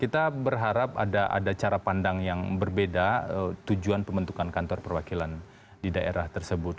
kita berharap ada cara pandang yang berbeda tujuan pembentukan kantor perwakilan di daerah tersebut